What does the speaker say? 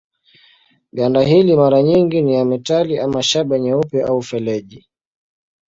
Ganda hili mara nyingi ni ya metali ama shaba nyeupe au feleji.